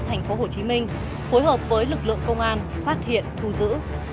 thành phố hồ chí minh phối hợp với lực lượng công an phát hiện thu giữ